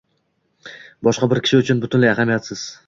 boshqa bir kishi uchun butunlay ahamiyatsiz